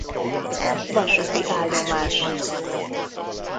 Vasúti állomás.